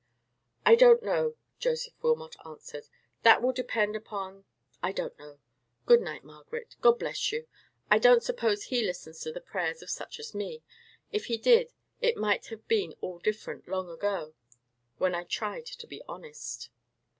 "I don't know," Joseph Wilmot answered; "that will depend upon—I don't know. Good night, Margaret. God bless you! I don't suppose He listens to the prayers of such as me. If He did, it might have been all different long ago—when I tried to be honest!"